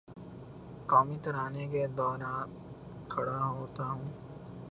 قومی ترانے کے دوراں کھڑا ہوتا ہوں